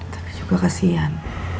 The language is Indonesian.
tapi juga kasihan